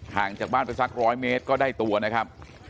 ห่างจากบ้านไปสักร้อยเมตรก็ได้ตัวนะครับ